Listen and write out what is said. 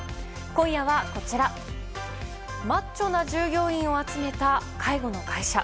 今夜はマッチョな従業員を集めた介護の会社。